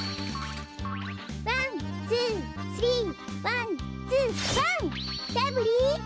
ワンツースリーワンツーワンラブリー。